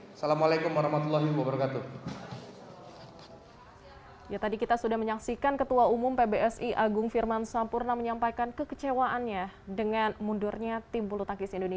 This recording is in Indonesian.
assalamualaikum warahmatullahi wabarakatuh